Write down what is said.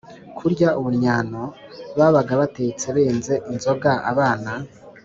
kurya ubunnyano. Babaga batetse, benze inzoga, abana